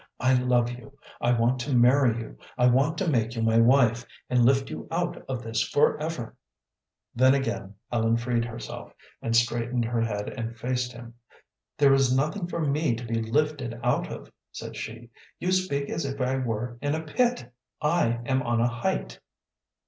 I love you; I want to marry you. I want to make you my wife, and lift you out of this forever." Then again Ellen freed herself, and straightened her head and faced him. "There is nothing for me to be lifted out of," said she. "You speak as if I were in a pit. I am on a height."